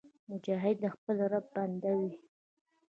مجاهد د خپل رب بنده وي.